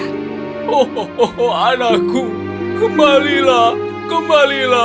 hohoho anakku kembalilah kembalilah